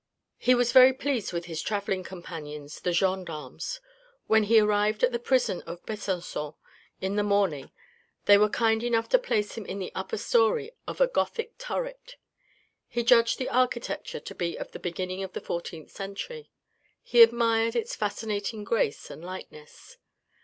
He was very pleased with his travelling companions, the gendarmes. When he arrived at the prison of Besangon in the morning they were kind enough to place him in the upper storey of a Gothic turret. He judged the architecture to be of the beginning of the fourteenth century. He admired its fascinating grace and lightness.